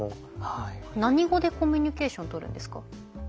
何語でコミュニケーション取るんですか？